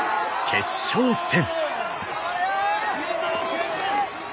決勝戦！